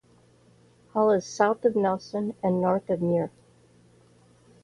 Hall is south of Nelson and north of Ymir.